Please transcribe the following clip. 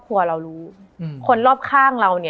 มันทำให้ชีวิตผู้มันไปไม่รอด